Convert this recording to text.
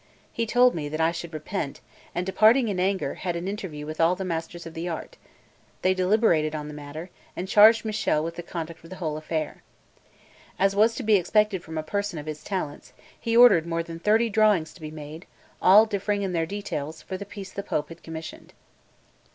He told me that I should repent, and departing in anger, had an interview with all the masters of the art; they deliberated on the matter, and charged Michele with the conduct of the whole affair. As was to be expected from a person of his talents, he ordered more than thirty drawings to be made, all differing in their details, for the piece the Pope had commissioned.